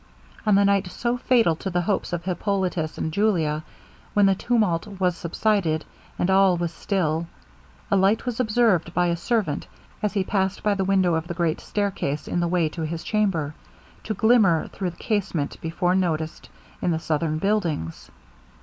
On the night so fatal to the hopes of Hippolitus and Julia, when the tumult was subsided, and all was still, a light was observed by a servant as he passed by the window of the great stair case in the way to his chamber, to glimmer through the casement before noticed in the southern buildings.